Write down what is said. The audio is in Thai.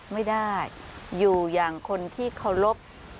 ไม่ได้อยู่อย่างคนที่เคารพ